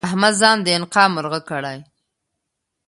احمد ځان د انقا مرغه کړی؛